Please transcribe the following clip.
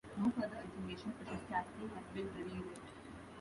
No further information, such as casting, has been revealed yet.